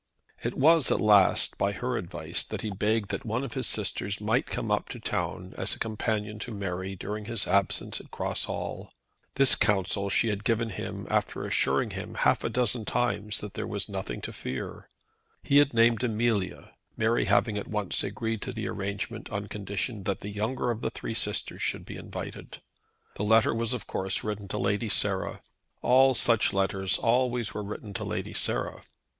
It was at last, by her advice, that he begged that one of his sisters might come up to town, as a companion to Mary during his absence at Cross Hall. This counsel she had given to him after assuring him half a dozen times that there was nothing to fear. He had named Amelia, Mary having at once agreed to the arrangement, on condition that the younger of the three sisters should be invited. The letter was of course written to Lady Sarah. All such letters always were written to Lady Sarah.